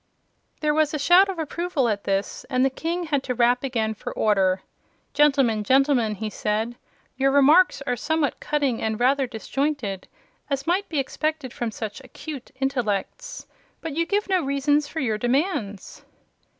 There was a shout of approval at this and the King had to rap again for order. "Gentlemen, gentlemen!" he said, "your remarks are somewhat cutting and rather disjointed, as might be expected from such acute intellects. But you give me no reasons for your demands."